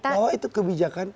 bahwa itu kebijakan